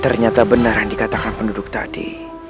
ternyata benaran dikatakan penduduk tadi